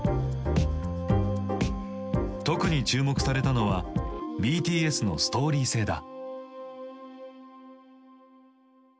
特に注目されたのはＢＴＳのストーリー性だ。